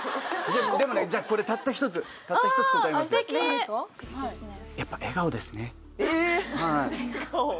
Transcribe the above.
じゃあこれたった一つたった一つ答えますえ